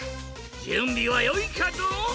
じゅんびはよいかドン？